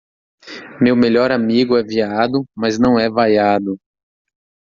meu melhor amigo é viado mas não é vaiado